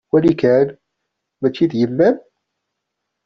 Wali kan! Mačči d yemma-m?